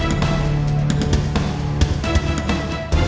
saya mau ke rumah